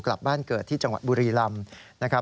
กลับบ้านเกิดที่จังหวัดบุรีรำ